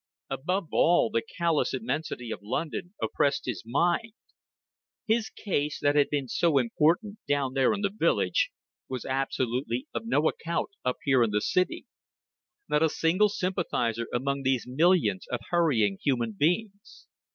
Above all, the callous immensity of London oppressed his mind. His case, that had been so important down there in the village, was absolutely of no account up here in the city. Not a single sympathizer among these millions of hurrying human beings.